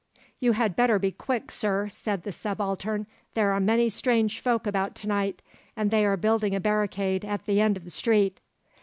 "You had better be quick, Sir," said the Subaltern. "There are many strange folk about to night, and they are building a barricade at the end of the street."